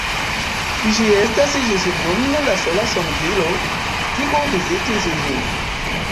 Ĝi estas ĝis nun la sola sondilo, kiu vizitis ĝin.